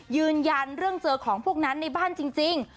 ยืนยันเรื่องเจอของพวกนั้นในบ้านจริง